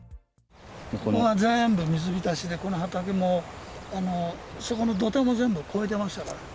ここが全部水浸しで、この畑も、そこの土手も全部越えてましたから。